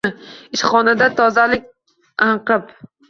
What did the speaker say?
Ishxonada tozalik anqib